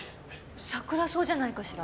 サクラソウじゃないかしら。